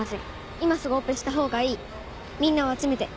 今すぐオペした方がいいみんなを集めて。